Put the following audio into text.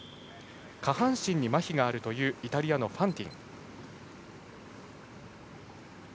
下半身にまひがあるというイタリアのファンティン。